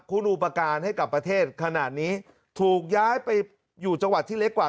คุณอุปการณ์ให้กับประเทศขนาดนี้ถูกย้ายไปอยู่จังหวัดที่เล็กกว่า